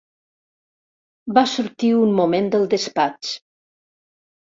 Va sortir un moment del despatx.